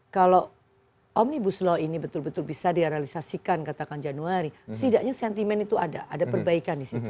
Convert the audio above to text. kalau omnibus law ini betul betul bisa direalisasikan katakan januari setidaknya sentimen itu ada ada perbaikan di situ